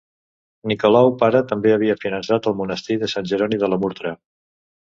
Nicolau pare també havia finançat el monestir de Sant Jeroni de la Murtra.